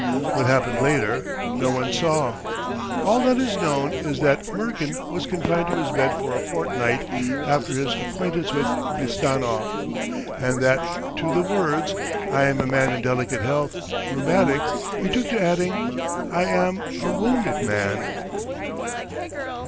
What happened later no one saw. All that is known is that Murkin was confined to his bed for a fortnight after his acquaintance with Blistanov, and that to the words "I am a man in delicate health, rheumatic" he took to adding, "I am a wounded man.